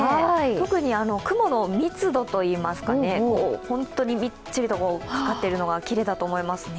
特に雲の密度、本当にみっちりかかってるのがきれいだと思います。